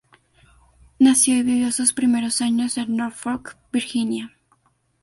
Nació y vivió sus primeros años en Norfolk, Virginia.